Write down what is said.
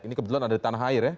ini kebetulan ada detik